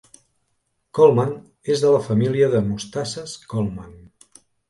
Colman és de la família de mostasses Colman.